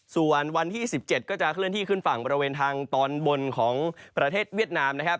ส่วนวันที่๑๗ก็จะเคลื่อนที่ขึ้นฝั่งบริเวณทางตอนบนของประเทศเวียดนามนะครับ